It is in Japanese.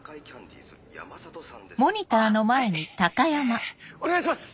えお願いします！